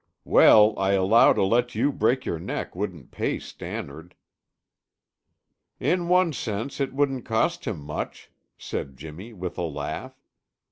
"Well, I allow to let you break your neck wouldn't pay Stannard." "In one sense, it wouldn't cost him much," said Jimmy, with a laugh.